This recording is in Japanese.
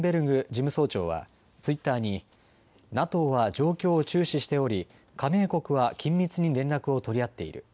事務総長はツイッターにＮＡＴＯは状況を注視しており加盟国は緊密に連絡を取り合っている。